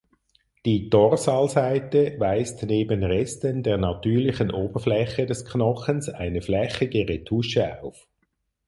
Die Dorsalseite weist neben Resten der natürlichen Oberfläche des Knochens eine flächige Retusche auf.